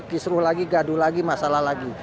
kisruh lagi gaduh lagi masalah lagi